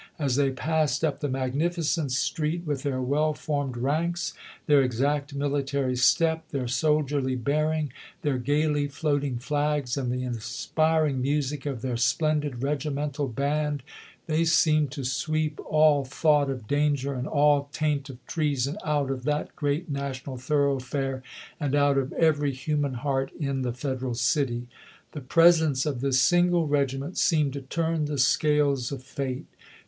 As they passed up the magnificent street, with their well formed ranks, their exact military step, their soldierly bearing, their gayly floating flags, and the inspiring music of their splendid regimental band, they seemed to sweep all thought of danger and all taint of treason out of that great national thoroughfare and out of every human heart in the Federal city. The presence of this single regi ment seemed to turn the scales of fate.